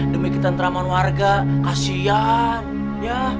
demi ketentraman warga kasihan